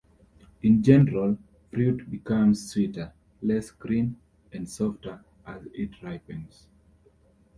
In general, fruit becomes sweeter, less green, and softer as it ripens.